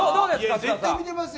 絶対見てますよ。